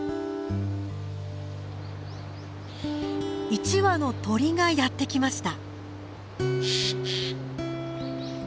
一羽の鳥がやって来ました。